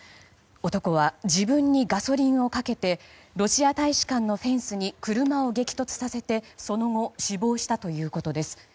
男は自分にガソリンをかけてロシア大使館のフェンスに車を激突させてその後死亡したということです。